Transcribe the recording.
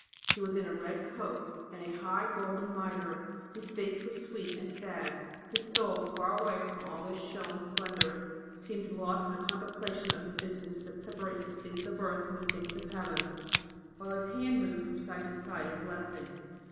He was in a red cope and a high golden mitre. His face was sweet and sad; his soul, far away from all this show and splendour, seemed lost in the contemplation of the distance that separates the things of earth from the things of Heaven, while his hand moved from side to side in blessing.